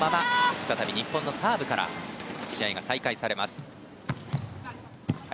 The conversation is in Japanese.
再び日本のサーブから試合が再開。